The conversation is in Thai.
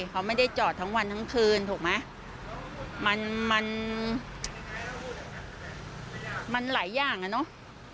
เขาไม่ได้จอดทั้งวันทั้งคืนถูกไหมมันมันหลายอย่างอ่ะเนอะ